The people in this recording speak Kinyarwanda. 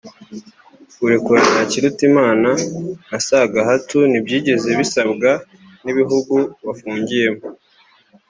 Kurekura Ntakirutimana na Sagahatu ntibyigeze bisabwa n’ibihugu bafungiyemo